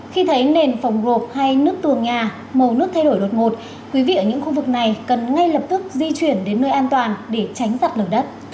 khi thấy nền phòng rộp hay nước tường nhà màu nước thay đổi đột ngột quý vị ở những khu vực này cần ngay lập tức di chuyển đến nơi an toàn để tránh sạt lở đất